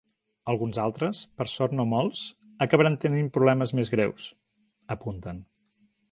“Alguns altres, per sort no molts, acabaran tenint problemes més greus”, apunten.